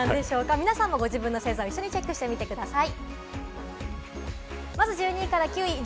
皆さんもご自分の星座を一緒にチェックしてみてください。